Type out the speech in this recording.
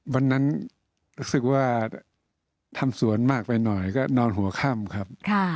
วันนั้นรู้สึกว่าทำสวนมากไปหน่อยก็นอนหัวค่ำครับ